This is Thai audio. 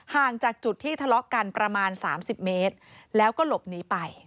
ห่างจากจุดที่ทะเลาะกันประมาณ๓๐เมตรแล้วก็หลบหนีไป